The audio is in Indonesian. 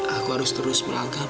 aku harus terus berangkat maju